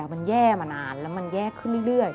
มันแย่มานานแล้วมันแย่ขึ้นเรื่อย